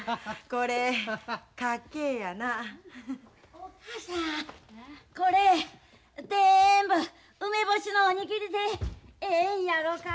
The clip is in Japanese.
おっかさんこれぜんぶ梅干しのお握りでええんやろか？